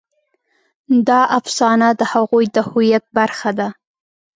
دا افسانه د هغوی د هویت برخه ده.